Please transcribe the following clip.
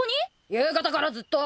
夕方からずっと。